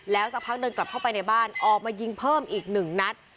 สักพักเดินกลับเข้าไปในบ้านออกมายิงเพิ่มอีก๑นัด